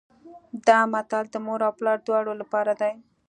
دا متل د مور او پلار دواړو لپاره دی